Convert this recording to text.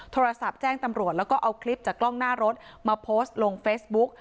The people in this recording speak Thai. โทรศัพท์แจ้งตำรวจแล้วก็เอาคลิปจากกล้องหน้ารถมาโพสต์ลงเฟซบุ๊ก